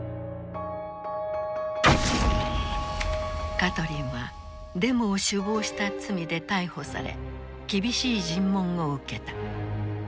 カトリンはデモを首謀した罪で逮捕され厳しい尋問を受けた。